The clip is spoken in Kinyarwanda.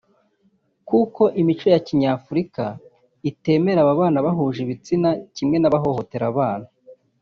yavuze ko imico ya kinyafurika itemera ababana bahuje ibitsina kimwe n’abahohotera abana